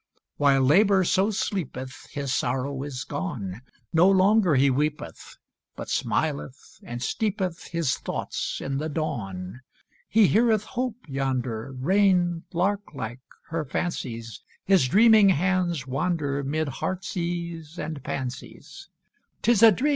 While Labor so sleepeth His sorrow is gone, No longer he weepeth, But smileth and steepeth His thoughts in the dawn; He heareth Hope yonder Rain, lark like, her fancies, His dreaming hands wander Mid heart's ease and pansies; "'Tis a dream!